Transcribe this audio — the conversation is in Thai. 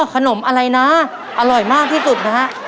ขนมอะไรนะอร่อยมากที่สุดนะฮะ